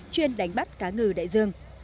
khai thác cá ngừ đại dương